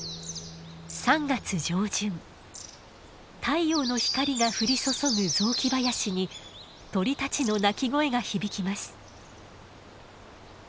太陽の光が降り注ぐ雑木林に鳥たちの鳴き声が響きます。